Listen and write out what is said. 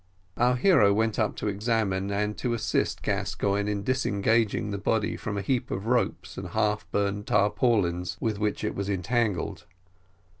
Our hero went up to examine, and to assist Gascoigne in disengaging the body from a heap of ropes and half burned tarpaulings with which it was entangled.